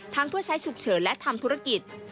เพื่อใช้ฉุกเฉินและทำธุรกิจ